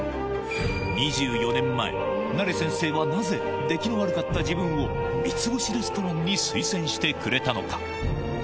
２４年前、ナレ先生はなぜ、出来の悪かった自分を、三ツ星レストランに推薦してくれたのか。